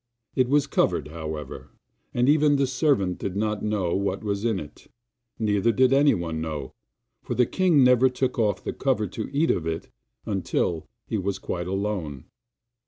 It was covered, however, and even the servant did not know what was in it, neither did anyone know, for the king never took off the cover to eat of it until he was quite alone.